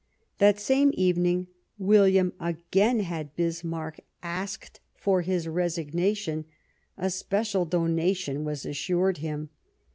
That same evening William again had Bismarck 231 Bismarck asked for his resignation ; a special donation was assured him.